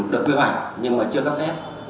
được quy hoạch nhưng mà chưa có phép